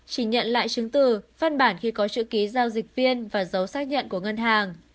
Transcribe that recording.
chỉ nhận lại chứng từ văn bản khi có chữ ký giao dịch viên và dấu xác nhận của ngân hàng